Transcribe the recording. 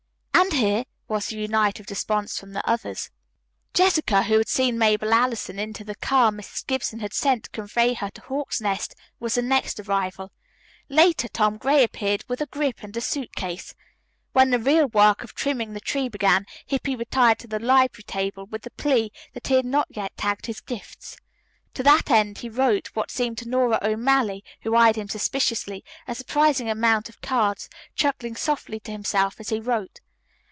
"And here," was the united response from the others. Jessica, who had seen Mabel Allison into the car Mrs. Gibson had sent to convey her to Hawk's Nest, was the next arrival. Later Tom Gray appeared with a grip and a suit case. When the real work of trimming the tree began, Hippy retired to the library table with the plea that he had not yet tagged his gifts. To that end he wrote what seemed to Nora O'Malley, who eyed him suspiciously, a surprising amount of cards, chuckling softly to himself as he wrote.